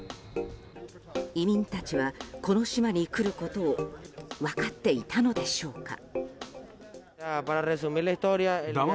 移民たちは、この島に来ることを分かっていたのでしょうか。